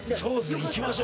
行きましょう。